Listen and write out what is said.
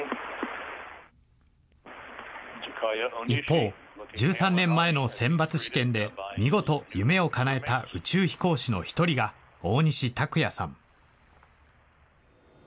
一方、１３年前の選抜試験で見事、夢をかなえた宇宙飛行士の一人が大西卓哉さん。